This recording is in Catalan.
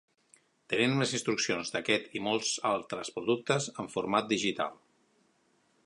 Tenim les instruccions d'aquest i molts altres productes en format digital.